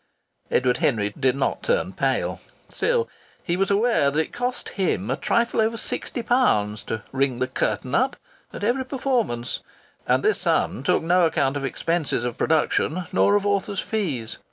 Edward Henry did not turn pale. Still, he was aware that it cost him a trifle over sixty pounds "to ring the curtain up" at every performance and this sum took no account of expenses of production nor of author's fees.